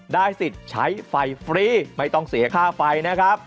ได้สิทธิ์ใช้ไฟฟรีไม่ต้องเสียค่าไฟนะครับ